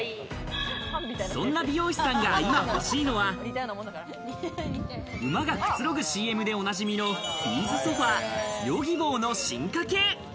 そんな美容師さんが今欲しいものは、馬がくつろぐＣＭでおなじみのビーズソファ・Ｙｏｇｉｂｏの進化系。